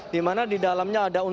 dimana di dalamnya ada unsurnya